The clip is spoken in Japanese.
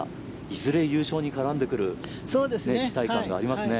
いずれ優勝に絡んでくる期待感がありますね。